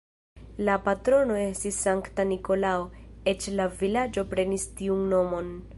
La patrono estis Sankta Nikolao, eĉ la vilaĝo prenis tiun nomon.